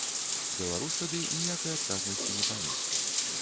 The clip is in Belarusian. Беларус тады ніякай адказнасці не панёс.